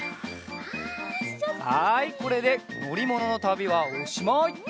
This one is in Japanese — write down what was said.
はいこれでのりもののたびはおしまい！